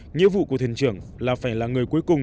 nhiệm vụ của thuyền trường là phải là người cuối cùng